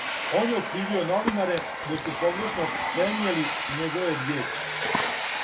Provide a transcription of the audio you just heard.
Он је окривио новинаре да су погрешно пренијели његове ријечи.